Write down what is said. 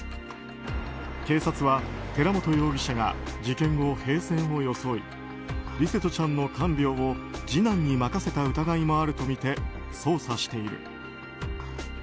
警察は、寺本容疑者が事件後、平然を装い琉聖翔ちゃんの看病を次男に任せた疑いもあるとみて捜査している。